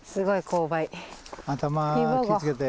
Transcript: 頭気を付けて。